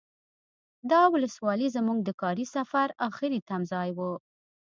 دا ولسوالي زمونږ د کاري سفر اخري تمځای و.